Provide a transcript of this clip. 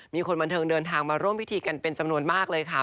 มีคนบันเทิงเดินทางมาร่วมพิธีกันเป็นจำนวนมากเลยค่ะ